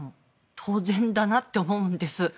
当然だなって思うんです。